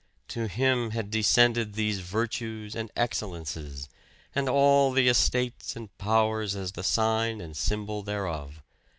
To him had descended these virtues and excellences and all the estates and powers as the sign and symbol thereof.